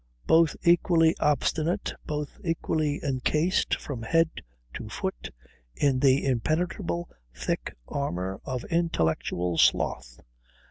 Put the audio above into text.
" both equally obstinate, both equally encased from head to foot in the impenetrable thick armour of intellectual sloth.